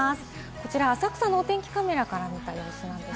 こちら、浅草のお天気カメラから見た様子です。